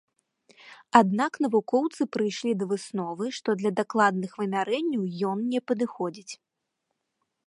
Аднак навукоўцы прыйшлі да высновы, што для дакладных вымярэнняў ён не падыходзіць.